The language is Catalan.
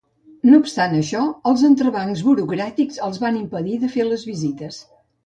No obstant això, els entrebancs burocràtics els van impedir de fer les visites.